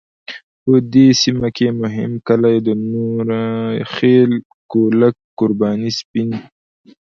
په دې سیمه کې مهم کلی د نوره خیل، کولک، قرباني، سپین .